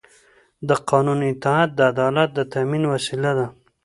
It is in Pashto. د قانون اطاعت د عدالت د تأمین وسیله ده